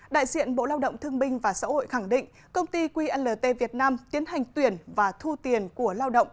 đại diện bộ lao động thương binh và xã hội khẳng định công ty qlt việt nam tiến hành tuyển và thu tiền của lao động